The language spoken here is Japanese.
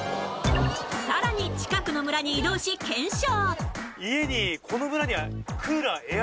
さらに近くの村に移動し検証